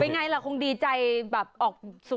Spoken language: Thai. ไปไงแล้วคงดีใจแบบออกสุด